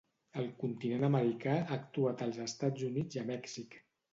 Al continent americà ha actuat als Estats Units i a Mèxic.